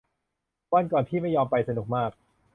วันก่อนพี่ไม่ยอมไป สนุกมาก